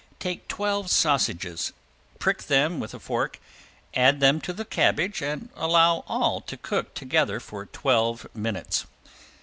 Take twelve sausages, prick them with a fork, add them to the cabbage and allow all to cook together for twelve minutes.